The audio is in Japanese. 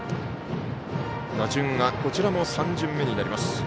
打順がこちらも３巡目になります。